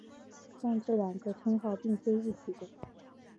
但这两个称号并非一体的。